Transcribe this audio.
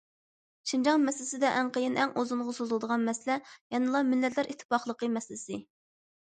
شىنجاڭ مەسىلىسىدە ئەڭ قىيىن، ئەڭ ئۇزۇنغا سوزۇلىدىغان مەسىلە يەنىلا مىللەتلەر ئىتتىپاقلىقى مەسىلىسى.